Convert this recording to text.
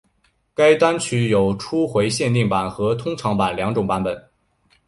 该单曲有初回限定版和通常版两种版本。